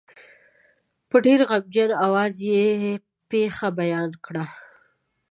په ډېر غمګین آواز یې پېښه بیان کړه.